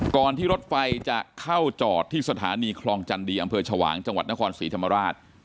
ที่รถไฟจะเข้าจอดที่สถานีคลองจันดีอำเภอชวางจังหวัดนครศรีธรรมราช